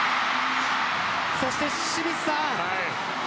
そして、清水さん